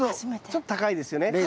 ちょっと高いですよね。